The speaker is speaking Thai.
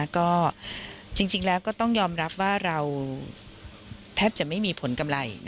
ก็จริงแล้วก็ต้องยอมรับว่าเราแทบจะไม่มีผลกำไร